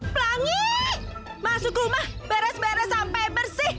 pelangi masuk rumah beres beres sampai bersih